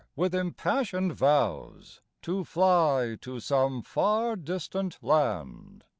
with impassioned vows, To fly to some far distant land.